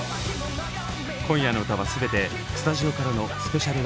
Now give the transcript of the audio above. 今夜の歌は全てスタジオからのスペシャルライブ！